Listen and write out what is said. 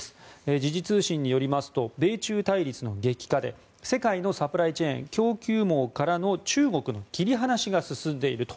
時事通信によりますと米中対立の激化で世界のサプライチェーン供給網からの、中国の切り離しが進んでいると。